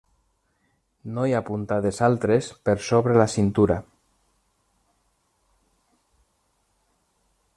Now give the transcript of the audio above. No hi ha puntades altres, per sobre la cintura.